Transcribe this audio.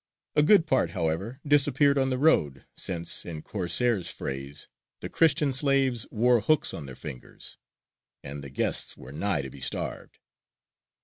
" A good part, however, disappeared on the road, since, in Corsair's phrase, "the Christian slaves wore hooks on their fingers," and the guests went nigh to be starved.